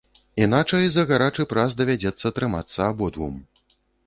Іначай за гарачы прас давядзецца трымацца абодвум.